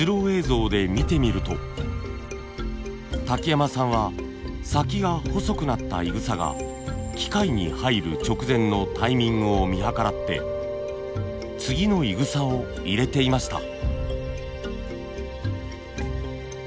瀧山さんは先が細くなったいぐさが機械に入る直前のタイミングを見計らって次のいぐさを入れていました。